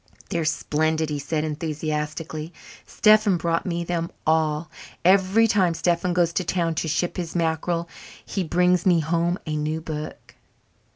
"They're splendid," he said enthusiastically. "Stephen brought me them all. Every time Stephen goes to town to ship his mackerel he brings me home a new book."